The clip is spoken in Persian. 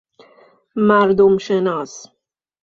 مردم شناس